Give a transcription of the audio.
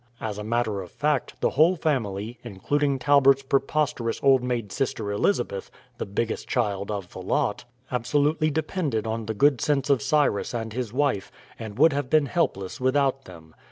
As a matter of fact, the whole family, including Talbert's preposterous old maid sister Elizabeth (the biggest child of the lot), absolutely depended on the good sense of Cyrus and his wife, and would have been helpless without them.